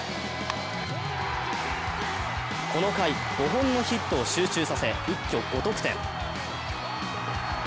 この回、５本のヒットを集中させ一挙５得点。